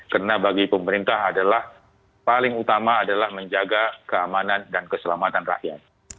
karena bagi pemerintah adalah paling utama adalah menjaga keamanan dan keselamatan rakyat